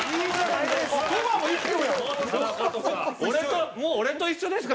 俺と、もう俺と一緒ですか？